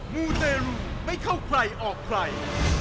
มูเตรลูไม่เข้าใครออกใคร